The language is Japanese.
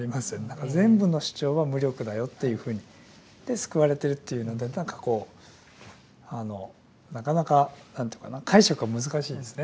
全部の主張は無力だよというふうに。で救われてるというので何かこうなかなか解釈が難しいですね。